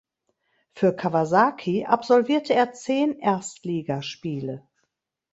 Für Kawasaki absolvierte er zehn Erstligaspiele.